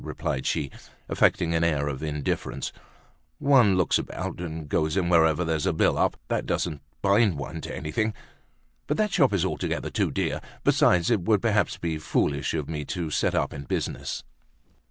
replied she, affecting an air of indifference. "One looks about, and goes in wherever there's a bill up—that doesn't bind one to anything. But that shop is altogether too dear. Besides, it would perhaps be foolish of me to set up in business."